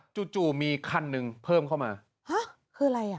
จู่มีคันหนึ่งเพิ่มเข้ามาฮะคืออะไรอ่ะ